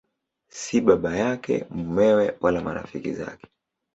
Si baba yake, mumewe wala marafiki zake.